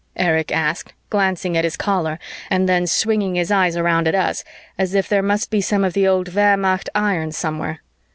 Erich asked, glancing at his Caller and then swinging his eyes around at us as if there must be some of the old Wehrmacht iron somewhere.